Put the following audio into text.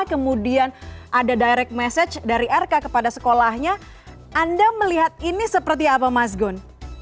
kemudian ada direct message dari rk kepada sekolahnya anda melihat ini seperti apa mas gun